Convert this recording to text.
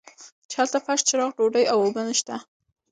چې هلته فرش چراغ ډوډۍ او اوبه نشته.